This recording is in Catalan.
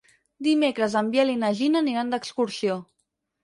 Dimecres en Biel i na Gina aniran d'excursió.